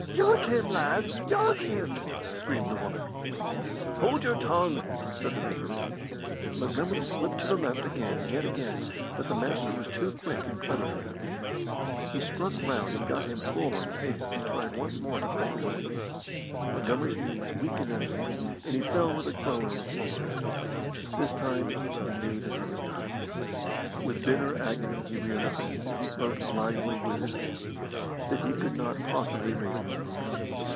"Yark him, lad! Yark him!" screamed the woman. "Hold your tongue!" said the referee. Montgomery slipped to the left again and yet again, but the Master was too quick and clever for him. He struck round and got him full on the face as he tried once more to break away. Montgomery's knees weakened under him, and he fell with a groan on the floor. This time he knew that he was done. With bitter agony he realised, as he groped blindly with his hands, that he could not possibly raise himself.